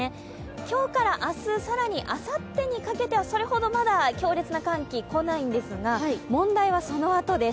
今日から明日、更にあさってにかけてはそれほどまだ強烈な寒気は来ないんですが問題はそのあとです。